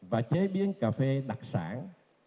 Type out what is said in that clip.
và chế biến cà phê đặc sản